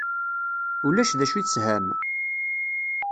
Ulac d acu i tesham?